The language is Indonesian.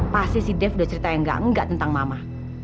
pasti si dev udah ceritain gak tentang mama